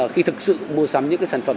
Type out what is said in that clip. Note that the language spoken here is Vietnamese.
khi thực sự mua sắm những cái sản phẩm